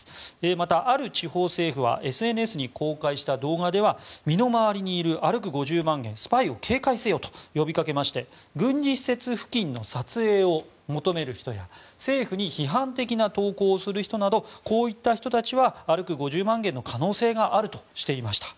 また、ある地方政府はＳＮＳに公開した動画では身の回りにいる歩く５０万元スパイを警戒せよと呼びかけまして軍事施設付近の撮影を求める人や政府に批判的な投稿をする人などこういった人たちは歩く５０万元の可能性があるとしていました。